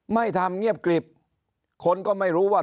ไม่ทำเงียบกริบคนก็ไม่รู้ว่า